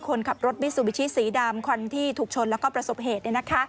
คนขับรถมิซูบิชิสีดำควันที่ถูกชนแล้วก็ประสบเหตุ